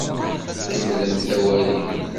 Kemmlemt awali!